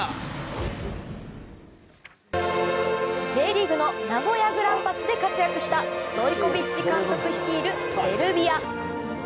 Ｊリーグの名古屋グランパスで活躍したストイコビッチ監督率いるセルビア。